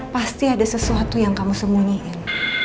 pasti ada sesuatu yang kamu sembunyiin